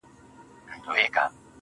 يوه شار ته دې د سرو سونډو زکات ولېږه,